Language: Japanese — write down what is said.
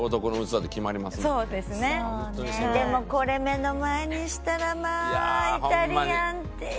でもこれ目の前にしたらまあイタリアンって。